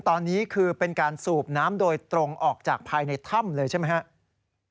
ตอนนี้คือเป็นการสูบน้ำโดยตรงออกจากภายในถ้ำเลยใช่ไหมครับ